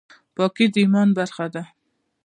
پاکي د ایمان برخه ده